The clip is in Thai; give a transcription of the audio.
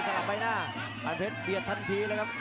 ยังไล่ถนนพี่เขาอยู่ดีครับ